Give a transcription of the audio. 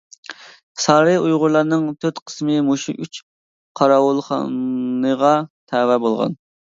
سارى ئۇيغۇرلارنىڭ تۆت قىسمى مۇشۇ ئۈچ قاراۋۇلخانىغا تەۋە بولغان.